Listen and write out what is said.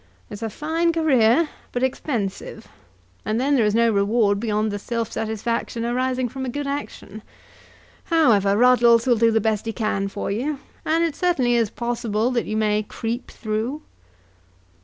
It's a fine career, but expensive; and then there is no reward beyond the self satisfaction arising from a good action. However, Ruddles will do the best he can for you, and it certainly is possible that you may creep through."